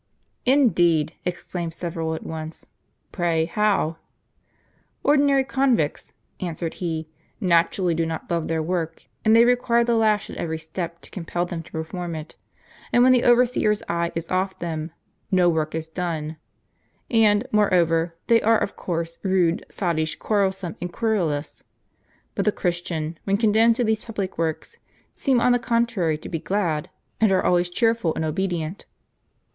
" Indeed !" exclaimed several at once ;" pray how ?" "Ordinary convicts," answered he, "naturally do not love their work, and they require the lash at every step to compel them to perform it ; and when the overseer's eye is off them, no work is done. And, moreover, they are, of course, rude, sottish, quarrelsome, and querulous. But the Christians, when condemned to these public works, seem, on the contrary, to be glad, and are always cheerful and obedient.